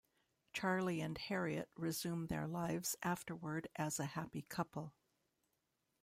Charlie and Harriet resume their lives afterward as a happy couple.